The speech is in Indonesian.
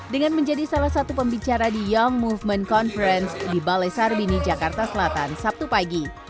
dengan menjadi salah satu pembicara di young movement conference di balai sarbini jakarta selatan sabtu pagi